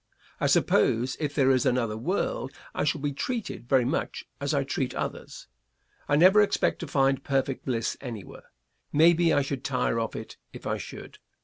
I suppose if there is another world I shall be treated very much as I treat others. I never expect to find perfect bliss anywhere; maybe I should tire of it if I should.